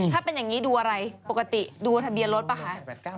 ถ้าเป็นอย่างนี้ดูอะไรปกติดูทะเบียนรถป่ะคะ